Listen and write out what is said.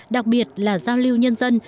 đặc biệt là giao lưu nhân dân